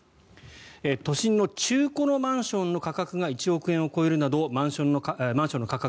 都心の中古のマンションの価格が１億円を超えるなどマンションの価格